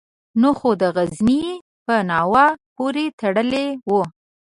نه خو د غزني په ناوه پورې تړلی وو.